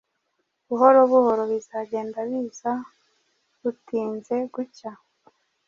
Buhoro buhoro bizagenda biza butinze gucya.